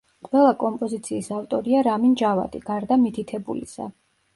ყველა კომპოზიციის ავტორია რამინ ჯავადი, გარდა მითითებულისა.